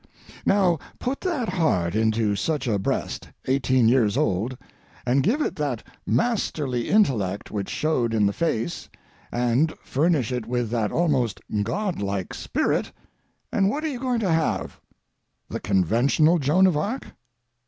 Now put that heart into such a breast—eighteen years old—and give it that masterly intellect which showed in the face, and furnish it with that almost god like spirit, and what are you going to have? The conventional Joan of Arc?